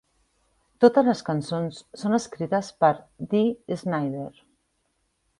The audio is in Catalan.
Totes les cançons són escrites per Dee Snider.